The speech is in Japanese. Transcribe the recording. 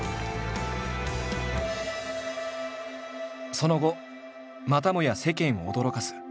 その後またもや世間を驚かす。